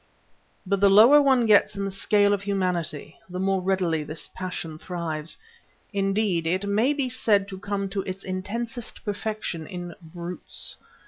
But the lower one gets in the scale of humanity, the more readily this passion thrives; indeed, it may be said to come to its intensest perfection in brutes.